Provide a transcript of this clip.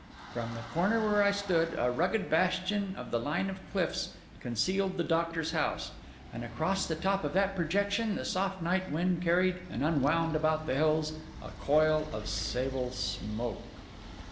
From the corner where I stood, a rugged bastion of the line of bluffs concealed the doctor's house; and across the top of that projection the soft night wind carried and unwound about the hills a coil of sable smoke.